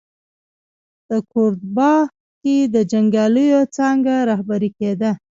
د کوردوبا کې د جنګیاليو څانګه رهبري کېده.